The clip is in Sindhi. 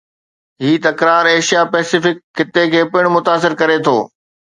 هي تڪرار ايشيا-پئسفڪ خطي کي پڻ متاثر ڪري ٿو